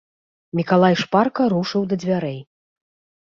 Мікалай шпарка рушыў да дзвярэй.